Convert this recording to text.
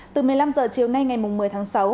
từ một mươi năm h chiều nay ngày một mươi tháng sáu